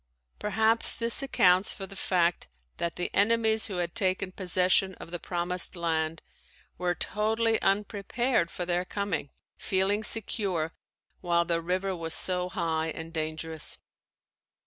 Perhaps this accounts for the fact that the enemies who had taken possession of the Promised Land were totally unprepared for their coming, feeling secure while the river was so high and dangerous.